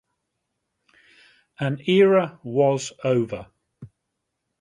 An era was over.